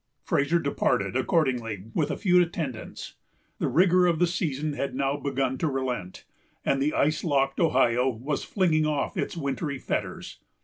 Fraser departed, accordingly, with a few attendants. The rigor of the season had now begun to relent, and the ice locked Ohio was flinging off its wintry fetters.